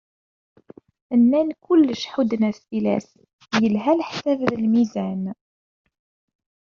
Nnan kulci ḥudden-as tilas, yelha leḥsab d lmizan.